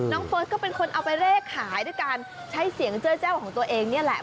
เฟิร์สก็เป็นคนเอาไปเลขขายด้วยการใช้เสียงเจื้อแจ้วของตัวเองนี่แหละ